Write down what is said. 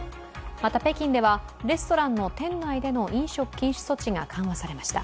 また、北京ではレストランの店内での飲食禁止措置が緩和されました。